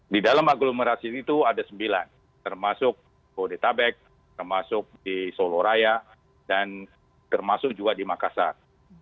di dalam aglomerasi itu ada sembilan termasuk bodetabek termasuk di soloraya dan termasuk juga di makassar